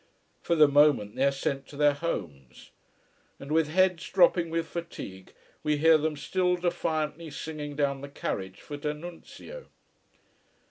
For the moment they are sent to their homes. And with heads dropping with fatigue, we hear them still defiantly singing down the carriage for D'Annunzio.